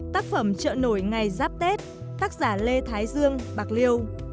tác phẩm trợ nổi ngày giáp tết tác giả lê thái dương bạc liêu